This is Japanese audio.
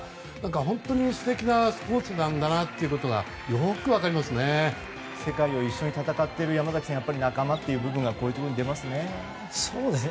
本当に素敵なスポーツなんだなっていうことが世界を一緒に戦っている仲間という部分がこういうところに出ますね。